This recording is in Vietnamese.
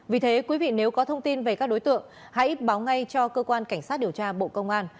vì thế quý vị nếu có thông tin về các đối tượng hãy báo ngay cho cơ quan cảnh sát điều tra bộ công an